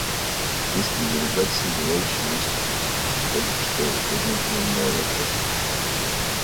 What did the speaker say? Есть ли делегации, желающие выступить по только что поднятому мною вопросу?